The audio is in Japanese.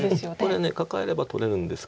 これカカえれば取れるんです。